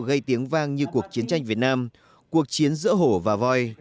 gây tiếng vang như cuộc chiến tranh việt nam cuộc chiến giữa hổ và voi